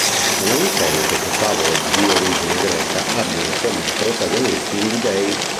Non è insolito che favole di origine greca abbiano come protagonisti gli dei.